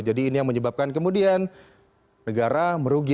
jadi ini yang menyebabkan kemudian negara merugi